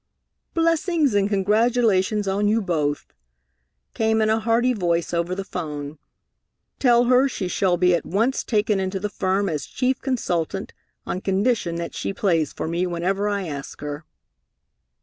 "Blessings and congratulations on you both!" came in a hearty voice over the phone. "Tell her she shall be at once taken into the firm as chief consultant on condition that she plays for me whenever I ask her."